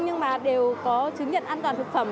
nhưng đều có chứng nhận an toàn thực phẩm